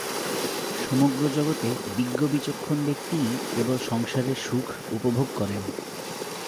সমগ্র জগতে বিজ্ঞ বিচক্ষণ ব্যক্তিই কেবল সংসারের সুখ উপভোগ করেন।